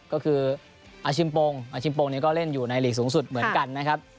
ก็คืออาชิมโปรงอาชิมโปงเนี่ยก็เล่นอยู่ในหลีกสูงสุดเหมือนกันนะครับ